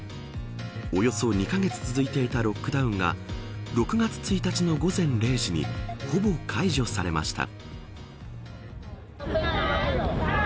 およそ２カ月続いていたロックダウンが６月１日の午前０時にほぼ解除されました。